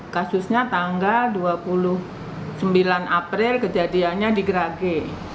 kasusnya tanggal dua puluh sembilan april kejadiannya di gerage